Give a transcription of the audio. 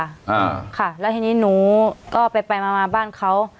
อ่าค่ะแล้วทีนี้หนูก็ไปไปมามาบ้านเขา